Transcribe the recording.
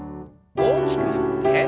大きく振って。